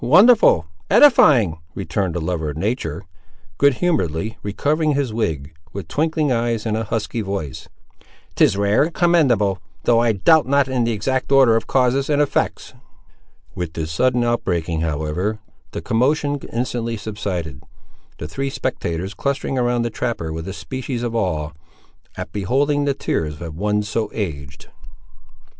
wonderful! edifying!" returned the lover of nature, good humouredly recovering his wig, with twinkling eyes and a husky voice. "'Tis rare and commendable. Though I doubt not in the exact order of causes and effects." With this sudden outbreaking, however, the commotion instantly subsided; the three spectators clustering around the trapper with a species of awe, at beholding the tears of one so aged.